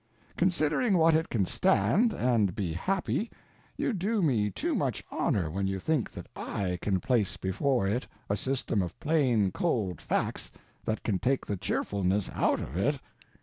Considering what it can stand, and be happy, you do me too much honor when you think that I can place before it a system of plain cold facts that can take the cheerfulness out of it.